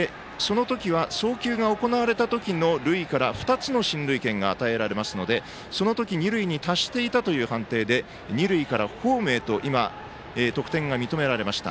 その時は送球が行われた時の塁から２つの進塁権が与えられますのでその時、二塁に達していたという判定で、二塁からホームへと得点が認められました。